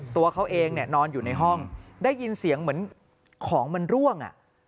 ตัวเขาเองเนี่ยนอนอยู่ในห้องได้ยินเสียงเหมือนของมันร่วง